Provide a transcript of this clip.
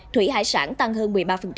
thủy hải sản tăng hơn một mươi ba